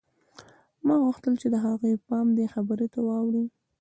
ما غوښتل چې د هغې پام دې خبرې ته واوړي